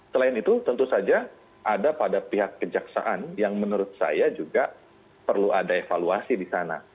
selain itu tentu saja ada pada pihak kejaksaan yang menurut saya juga perlu ada evaluasi di sana